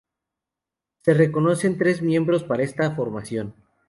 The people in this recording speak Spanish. Se reconocen tres miembros para esta formación.